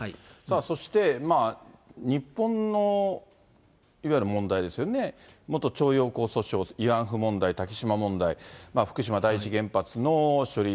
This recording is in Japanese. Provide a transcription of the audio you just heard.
そして日本のいわゆる問題ですよね、元徴用工訴訟、慰安婦問題、竹島問題、福島第一原発の処理